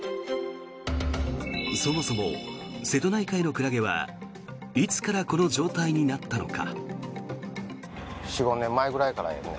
そもそも瀬戸内海のクラゲはいつからこの状態になったのか。